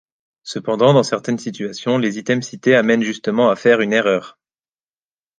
Cependant, dans certaines situations, les items cités amènent justement à faire une erreur.